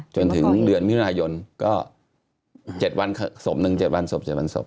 จนถึงเดือนมิถุนายนก็๗วันศพหนึ่ง๗วันศพ๗วันศพ